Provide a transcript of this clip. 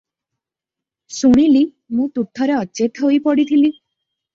ଶୁଣିଲି, ମୁଁ ତୁଠରେ ଅଚେତ ହୋଇ ପଡିଥିଲି ।